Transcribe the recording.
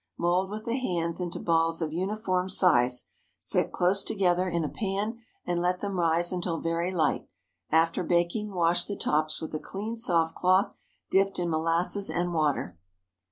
Mould with the hands into balls of uniform size, set close together in a pan, and let them rise until very light. After baking, wash the tops with a clean soft cloth dipped in molasses and water.